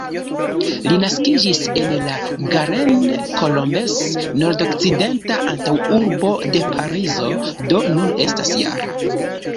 Li naskiĝis en La Garenne-Colombes, nordokcidenta antaŭurbo de Parizo, do nun estas -jara.